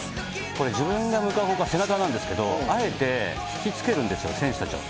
これ、自分が向かう方向が背中なんですけど、あえて引き付けるんですよ、選手たちを。